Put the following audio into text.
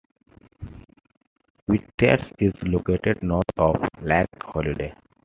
Whitacre is located north of Lake Holiday.